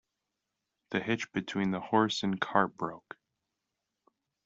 The hitch between the horse and cart broke.